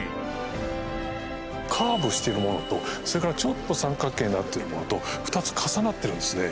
カーブしてるものとそれからちょっと三角形になってるものと２つ重なってるんですね。